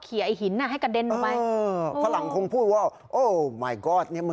เขียนไอ้หินน่ะให้กระเด็นออกไปฝรั่งต้องพูดว่าต้องบอกว่า